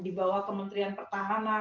yang dibawa kementerian pertahanan